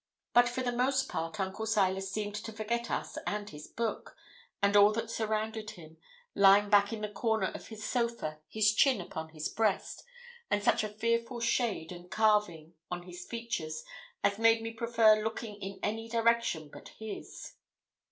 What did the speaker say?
But for the most part Uncle Silas seemed to forget us and his book, and all that surrounded him, lying back in the corner of his sofa, his chin upon his breast, and such a fearful shade and carving on his features as made me prefer looking in any direction but his.